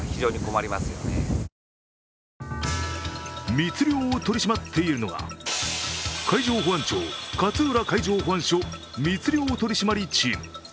密漁を取り締まっているのが海上保安庁勝浦海上保安署密漁取り締まりチーム。